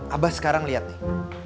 abah sekarang lihat nih